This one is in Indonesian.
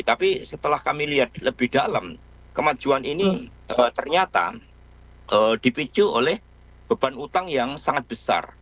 tapi setelah kami lihat lebih dalam kemajuan ini ternyata dipicu oleh beban utang yang sangat besar